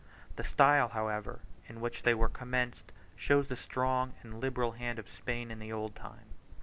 The style, however, in which they were commenced shows the strong and liberal hand of Spain in the old time.